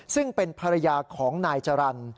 ซึ่งเป็นภรรยาของนายจรรย์